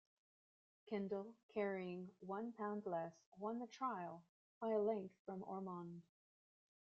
Kendal, carrying one pound less, won the trial by a length from Ormonde.